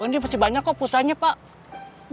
oh ini pasti banyak kok pulsanya pak